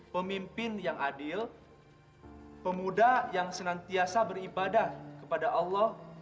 pemimpin yang adil pemuda yang senantiasa beribadah kepada allah